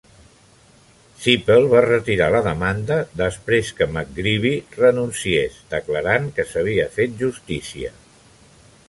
Cipel va retirar la demanda després que McGreevey renunciés, declarant que s'havia fet justícia.